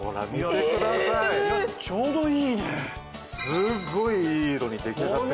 すごいいい色に出来上がってませんか？